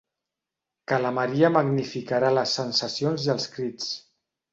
Que la maria magnificarà les sensacions i els crits.